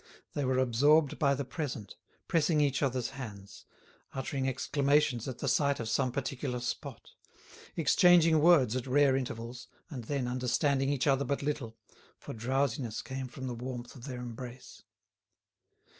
They were absorbed by the present, pressing each other's hands, uttering exclamations at the sight of some particular spot, exchanging words at rare intervals, and then understanding each other but little, for drowsiness came from the warmth of their embrace.